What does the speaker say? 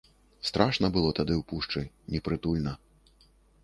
Страшна было тады ў пушчы, непрытульна.